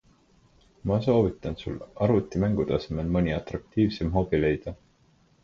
Ma soovitan sul arvutimängude asemel mõni atraktiivsem hobi leida.